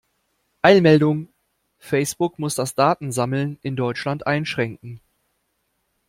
Eilmeldung! Facebook muss das Datensammeln in Deutschland einschränken.